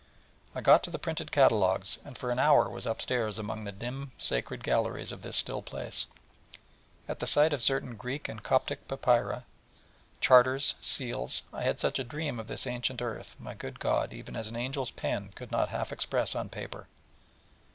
I got to the printed catalogues, and for an hour was upstairs among the dim sacred galleries of this still place, and at the sight of certain Greek and Coptic papyri, charters, seals, had such a dream of this ancient earth, my good God, as even an angel's pen could not half express on paper.